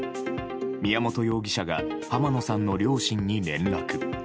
宮本容疑者が浜野さんの両親に連絡。